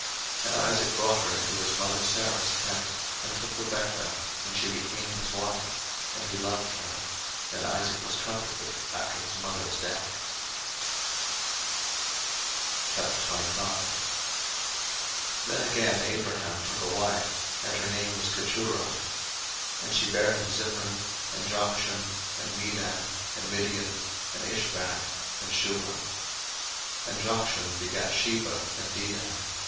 01:024:067 And Isaac brought her into his mother Sarah's tent, and took Rebekah, and she became his wife; and he loved her: and Isaac was comforted after his mother's death. 01:025:001 Then again Abraham took a wife, and her name was Keturah. 01:025:002 And she bare him Zimran, and Jokshan, and Medan, and Midian, and Ishbak, and Shuah. 01:025:003 And Jokshan begat Sheba, and Dedan.